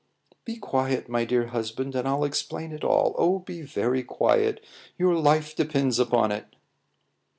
"Be quiet, my dear husband, and I'll explain it all. Oh, be very quiet; your life depends upon it."